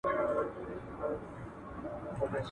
هغه څوک چي زده کړه کوي پوهه زياتوي!